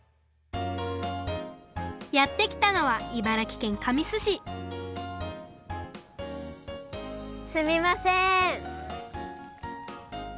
やってきたのは茨城県神栖市すみません。